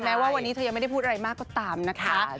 แม้ว่าวันนี้เธอยังไม่ได้พูดอะไรมากก็ตามนะคะ